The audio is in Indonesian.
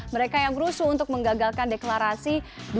mereka yang rusuh untuk menggagalkan deklarasi